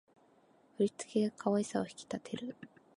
振り付けが可愛さを引き立てる